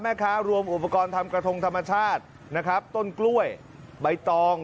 รวมอุปกรณ์ทำกระทงธรรมชาตินะครับต้นกล้วยใบตอง